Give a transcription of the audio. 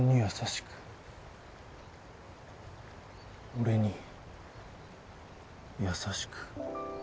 俺に優しく。